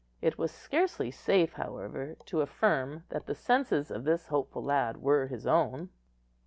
It was scarcely safe, however, to affirm that the senses of this hopeful lad were his own.